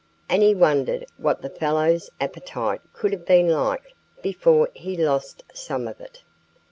And he wondered what the fellow's appetite could have been like before he lost some of it.